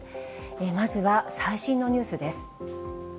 まずは最新のニュースです。